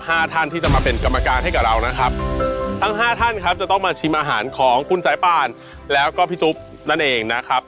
ท่านที่จะมาเป็นกรรมการให้กับเรานะครับทั้งห้าท่านครับจะต้องมาชิมอาหารของคุณสายป่านแล้วก็พี่จุ๊บนั่นเองนะครับ